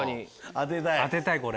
当てたいこれ。